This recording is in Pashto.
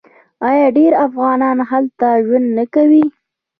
آیا ډیر افغانان هلته ژوند نه کوي؟